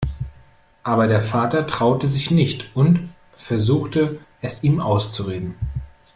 Aber der Vater traute sich nicht und versuchte, es ihm auszureden.